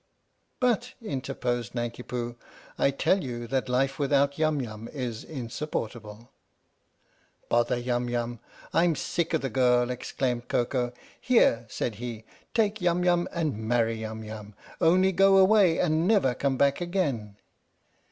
"" But," interposed Nanki Poo, " I tell you that life without Yum Yum is insupportable." " Bother Yum Yum. I'm sick of the girl," ex claimed Koko. "Here," said he, " take Yum Yum and marry Yum Yum, only go away and never come back again!